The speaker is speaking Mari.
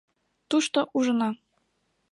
— Тушто ужына...